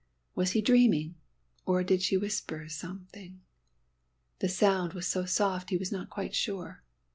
Was he dreaming, or did she whisper something? The sound was so soft he was not quite sure.